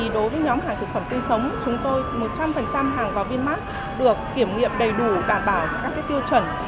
đối với nhóm hàng thực phẩm tươi sống chúng tôi một trăm linh hàng vào vinmark được kiểm nghiệm đầy đủ đảm bảo các tiêu chuẩn